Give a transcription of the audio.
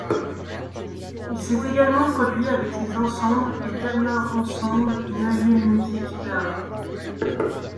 Il s'est également produit avec les ensembles et Kammerensemble Neue Musik Berlin.